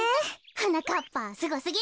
はなかっぱすごすぎる！